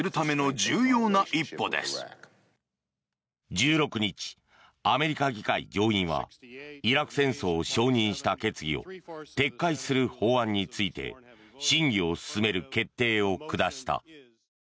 １６日、アメリカ議会上院はイラク戦争を承認した決議を撤回する法案について審議を進める決定を下した。